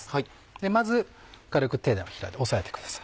まず軽く手のひらで押さえてください。